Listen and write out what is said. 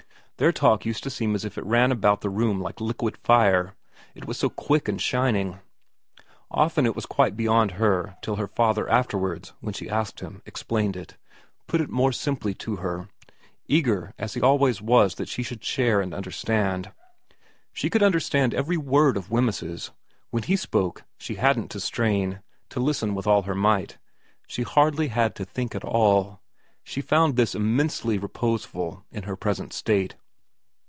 Their talk used to seem as if it ran about the room like liquid fire, it was so quick and shining ; often it was quite beyond her till her father afterwards, when she asked him, explained it, put it more simply for her, eager as he always was that she should share and under stand. She could understand every word of Wemyss's. When he spoke she hadn't to strain, to listen with all her might ; she hardly had to think at all. She found this immensely reposeful in her present state.